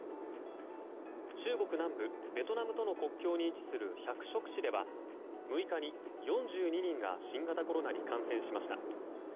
中国南部ベトナムとの国境に位置する百色市では６日に４２人が新型コロナに感染しました。